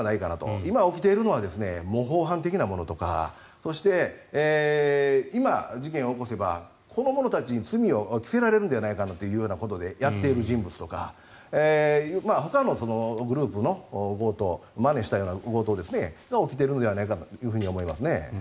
今、起きているのは模倣犯的なものとかそして、今、事件を起こせばこの者たちに罪を着せられるのではないかということでやっている人物とかほかのグループの強盗まねしたような強盗が起きているのではないかと思いますね。